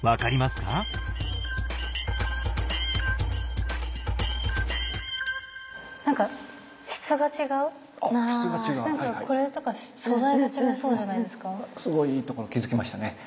すごいいいところに気付きましたね。